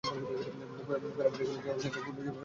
পেড়াপীড়ি করলে জবাব দেন যে, পূর্বজন্মে ওসব সেরে এসেছেন।